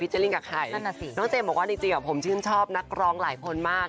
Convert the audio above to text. อยากถึงยืนทางพิจารณ์กับใครน้องเจมส์บอกว่าจริงก่อนดีผมชื่นชอบนักร้องหลายคนมาก